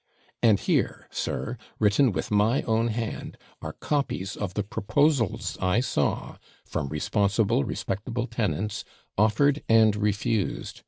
'And here, sir, written with my own hand, are copies of the proposals I saw, from responsible, respectable tenants, offered and refused.